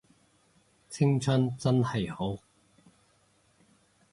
青春真係好